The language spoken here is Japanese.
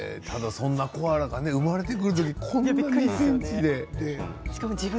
そんなコアラが生まれてくる時２ｃｍで。